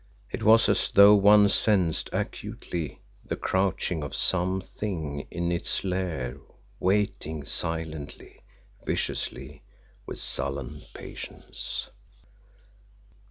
It was as though one sensed acutely the crouching of some Thing in its lair waiting silently, viciously, with sullen patience.